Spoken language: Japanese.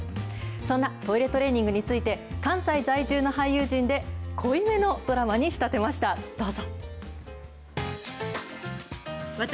そんなトイレトレーニングについて、関西在住の俳優陣で、濃いめのドラマに仕立てました。